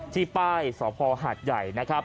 ที่ป้ายสภหาดใหญ่นะครับ